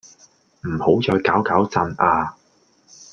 唔好再搞搞震呀